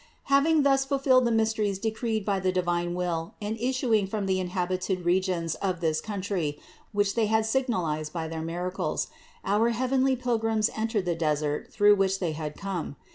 706. Having thus fulfilled the mysteries decreed by the divine will and issuing from the inhabited regions of this country, which They had signalized by their miracles, our heavenly Pilgrims entered the desert through which They had come.